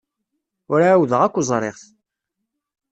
Ur ɛawdeɣ akk ẓriɣ-t.